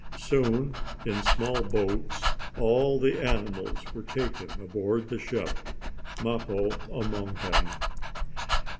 Soon, in small boats, all the animals were taken aboard the ship, Mappo among them.